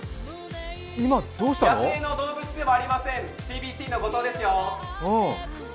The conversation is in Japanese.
野生の動物ではありません、ｔｂｃの後藤ですよ。